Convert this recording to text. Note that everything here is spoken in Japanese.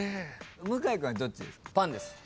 向井君はどっちですか？